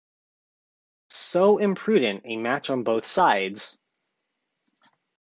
So imprudent a match on both sides!